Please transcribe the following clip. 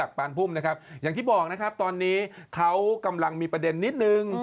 อย่างที่บอกนะครับตอนนี้เขากำลังมีประเด็นนิดนึง